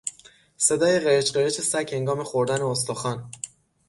صدای قرچ قرچ سگ هنگام خوردن استخوان